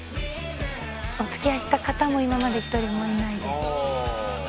お付き合いした方も今まで１人もいないです。